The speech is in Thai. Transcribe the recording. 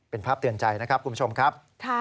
เป็นภาพเตือนใจนะครับคุณผู้ชมครับ